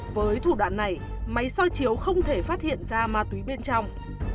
với thủ đoạn này máy soi chiếu không thể phát hiện ra ma túy bên trong